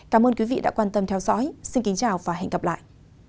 cảm ơn quý vị đã quan tâm theo dõi xin kính chào và hẹn gặp lại